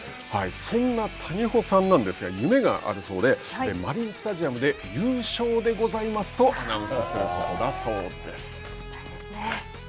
そんな谷保さんなんですが夢があるそうでマリンスタジアムで優勝でございますとアナウンスすることだそうです。